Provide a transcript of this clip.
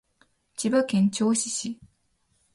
千葉県銚子市